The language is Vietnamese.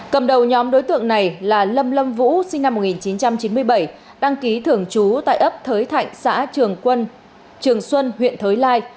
cầm đầu nhóm đối tượng này là lâm lâm vũ sinh năm một nghìn chín trăm chín mươi bảy đăng ký thường trú tại ấp thới thạnh xã trường xuân huyện thới lai